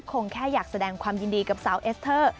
คงแค่อยากแสดงความยินดีกับสาวเอสเตอร์